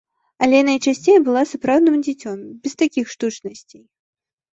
Але найчасцей была сапраўдным дзіцём, без такіх штучнасцей.